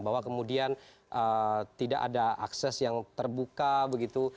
bahwa kemudian tidak ada akses yang terbuka begitu